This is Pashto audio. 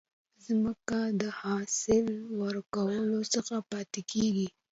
ځمکه د حاصل ورکولو څخه پاتي کیږي.